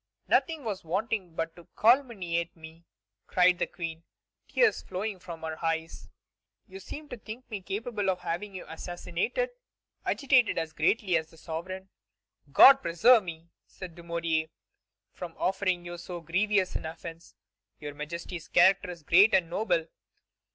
"Nothing was wanting but to calumniate me," cried the Queen, tears flowing from her eyes; "you seem to think me capable of having you assassinated." Agitated as greatly as the sovereign, "God preserve me," said Dumouriez, "from offering you so grievous an offence! Your Majesty's character is great and noble.